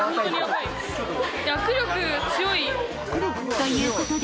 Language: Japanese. ［ということで］